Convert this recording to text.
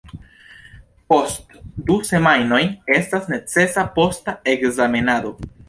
Post du semajnoj estas necesa posta ekzamenado.